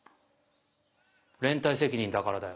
連帯責任だからだよ。